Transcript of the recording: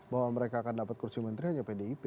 bahwa mereka akan dapat kursi menteri hanya pdip